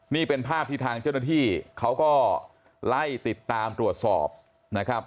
นี่เป็นภาพที่ทางเจ้าหน้าที่เขาก็ไล่ติดตามตรวจสอบนะครับ